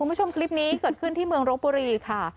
คุณผู้ชมคลิปนี้เกิดขึ้นที่เมืองรบบุรีค่ะ